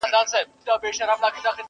o سل د زرگر، يو د گگر٫